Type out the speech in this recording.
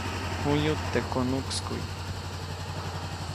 J̃uyuʼt teʼ konuʼkskuʼy.